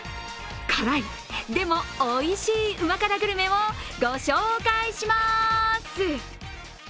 辛い、でもおいしい、うま辛グルメをご紹介します。